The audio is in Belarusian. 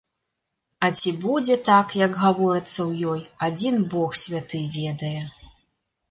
А ці будзе так, як гаворыцца ў ёй, адзін бог святы ведае.